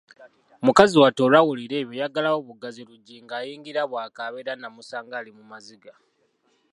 Mukazi wattu olwawulira ebyo yaggalawo buggazi luggi ng'ayingira bw'akaaba era nnamusanga ali mu maziga.